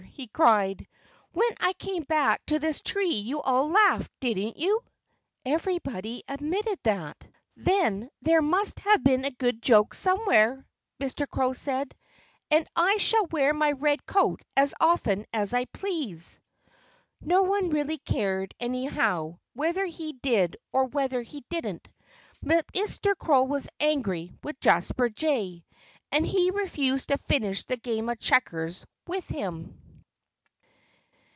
he cried. "When I came back to this tree you all laughed, didn't you?" Everybody admitted that. "Then there must have been a good joke somewhere," Mr. Crow said. "And I shall wear my red coat as often as I please." No one really cared, anyhow, whether he did or whether he didn't. But Mr. Crow was angry with Jasper Jay. And he refused to finish the game of checkers with him.